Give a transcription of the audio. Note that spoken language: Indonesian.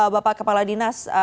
bapak kepala dinas